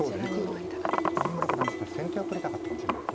三村九段としては先手を取りたかったかもしれないです。